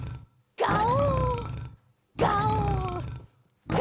ガオ！